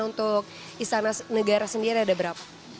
untuk istana negara sendiri ada berapa